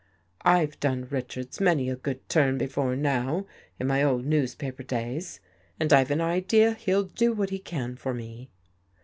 I've done Richards many a good turn before now in my old newspaper days, and I've an idea he'll do what he can for me."